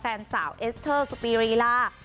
แฟนสาวเอสเตอร์สุปีรีลา